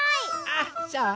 あっそう？